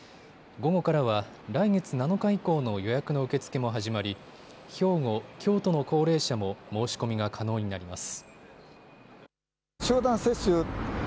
午後からは来月７日以降の予約の受け付けも始まり兵庫、京都の高齢者も申し込みが可能になります。